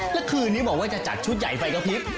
แล้วคืนนี้บอกว่าจะจัดชุดใหญ่ไฟกระพริบ